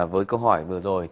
với câu hỏi vừa rồi